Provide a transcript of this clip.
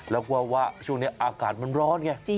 แล้วก็ว่าช่วงนี้อากาศมันร้อนไง